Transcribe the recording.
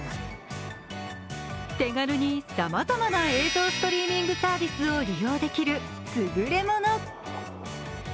手軽にさまざまな映像ストリーミングサービスを利用できるすぐれもの。